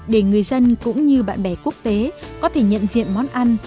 để người dân cũng như bạn bè quốc tế có thể nhận diện món ăn